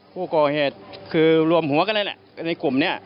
พวกกอเหรดคือรวมหัวกันอ่ะในกลุ่มเนี่ย